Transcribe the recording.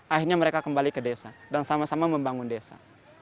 akhirnya mereka kembali ke desa dan sama sama membangun desa